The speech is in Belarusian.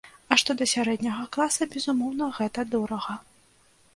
А што да сярэдняга класа, безумоўна, гэта дорага.